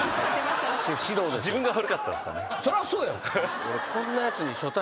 そりゃそうよ。